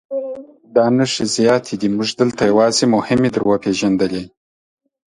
دا نښې زیاتې دي موږ دلته یوازې مهمې در وپېژندلې.